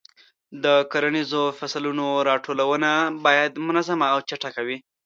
د کرنیزو فصلونو راټولونه باید منظمه او چټکه وي.